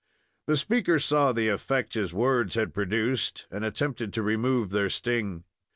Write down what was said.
The speaker saw the effect his words had produced, and attempted to remove their sting.